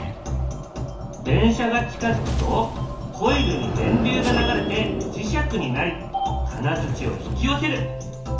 電車が近づくとコイルに電流が流れて磁石になり金づちを引き寄せる。